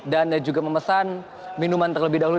juga memesan minuman terlebih dahulu